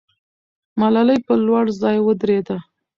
ملالۍ پر لوړ ځای ودرېده.